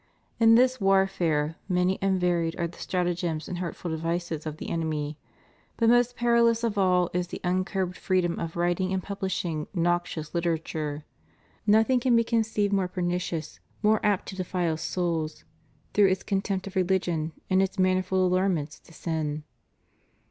In this warfare, many and varied are the stratagems and hurtful devices of the enemy; but most perilous of all is the uncurbed freedom of writing and publishing noxious literature. Nothing can be conceived more pernicious, more apt to defile souls, through its contempt of religion, and its manifold allurements to sin.